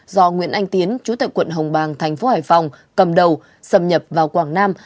do nguyễn anh tiến chủ tịch quận hồng bàng tp hải phòng cầm đầu xâm nhập vào quảng nam